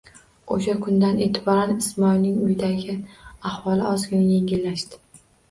O'sha kundan e'tiboran Ismoilning uydagi ahvoli ozgina yengillashdi.